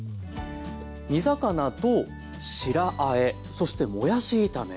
煮魚と白あえそしてもやし炒め。